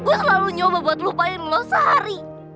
gue selalu nyoba buat lupain lo sari